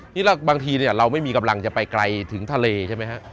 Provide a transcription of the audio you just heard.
นี่บางทีเราไม่มีกำลังจะไปไกลถึงทะเลใช่ไหมฮะ